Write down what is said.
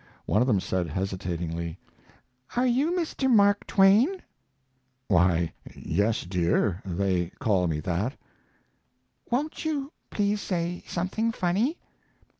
One of them said, hesitatingly: "Are you Mr. Mark Twain?" "Why, yes, dear, they call me that." "Won't you please say something funny?"